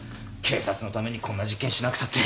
警察のためにこんな実験しなくたって。